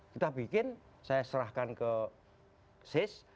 kita bikin saya serahkan ke sis